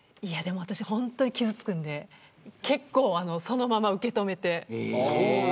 私、本当に傷つくので結構そのまま受け止めて。